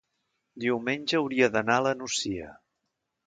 Diumenge hauria d'anar a la Nucia.